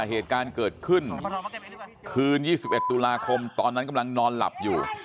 เหตุการณ์เกิดขึ้นคืน๒๑ตุลาคมตอนนั้นกำลังนอนหลับอยู่